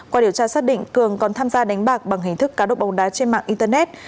qua điều tra xác định cường còn tham gia đánh bạc bằng hình thức cá độ bóng đá trên mạng internet